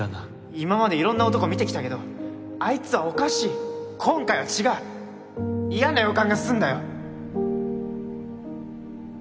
今まで色んな男見てきたけどあいつはおかしい今回は違う嫌な予感がすんだよ